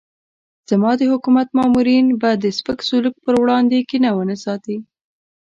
زما د حکومت مامورین به د سپک سلوک پر وړاندې کینه ونه ساتي.